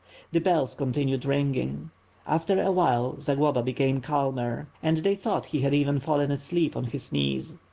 The bells continued ringing. After a while, Zagloba became calmer and they thought he had even fallen asleep on his knees.